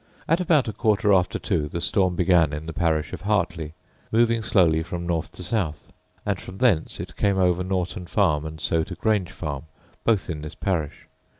At about a quarter after two the storm began in the parish of Hartley, moving slowly from north to south; and from thence it came over Norton farm, and so to Grange farm, both in this parish.